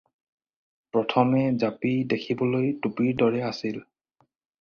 প্ৰথমে জাপি দেখিবলৈ টুপিৰ দৰে আছিল।